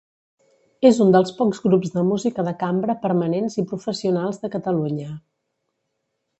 És un del pocs grups de música de cambra permanents i professionals de Catalunya.